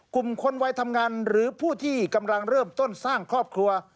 กลุ่มคนวัยทำงานหรือผู้ที่กำลังเริ่มต้นสร้างครอบครัว